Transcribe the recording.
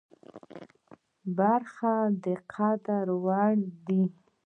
برخې د قدر وړ دي.